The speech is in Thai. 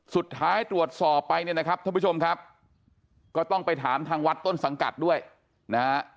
สุดท้ายตรวจสอบไปเนี่ยนะครับท่านผู้ชมครับก็ต้องไปถามทางวัดต้นสังกัดด้วยนะฮะ